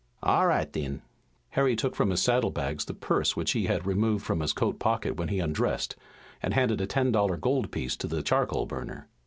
"All right, then." Harry took from his saddle bags the purse which he had removed from his coat pocket when he undressed, and handed a ten dollar gold piece to the charcoal burner.